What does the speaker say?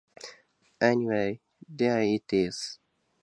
Anyway, there it is.